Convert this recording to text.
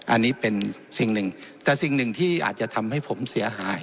อันนี้เป็นสิ่งหนึ่งแต่สิ่งหนึ่งที่อาจจะทำให้ผมเสียหาย